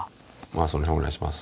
その辺お願いします。